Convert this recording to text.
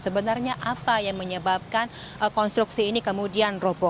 sebenarnya apa yang menyebabkan konstruksi ini kemudian roboh